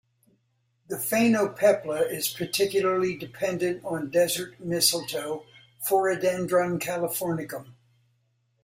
The phainopepla is particularly dependent on desert mistletoe, "Phoradendron californicum".